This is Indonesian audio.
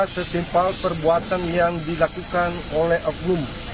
setimpal perbuatan yang dilakukan oleh oknum